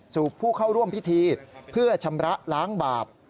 ผู้เข้าร่วมพิธีเพื่อชำระล้างบาป